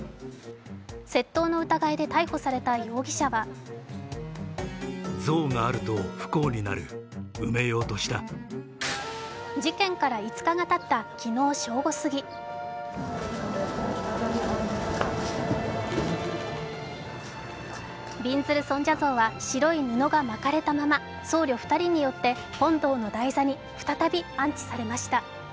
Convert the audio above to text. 窃盗の疑いで逮捕された容疑者は事件から５日がたった昨日正午過ぎびんずる尊者像は白い布が巻かれたまま僧侶２人によって本堂の台座に再び安置されました。